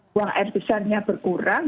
buang air besarnya berkurang